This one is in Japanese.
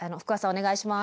お願いします。